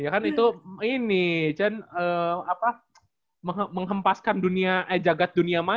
ya kan itu ini mengempaskan jagad dunia maya